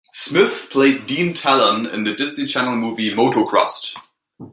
Smith played Dean Talon in the Disney Channel movie "Motocrossed".